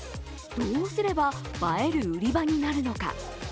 どうすれば映える売り場になるのか。